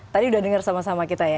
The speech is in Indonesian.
tadi udah dengar sama sama kita ya